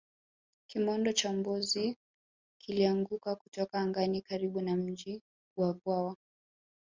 kimondo cha mbozi kilianguka kutoka angani karibu na mji wa vwawa